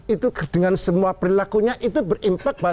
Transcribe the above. itu dengan semua perilakunya itu berimpak bahwa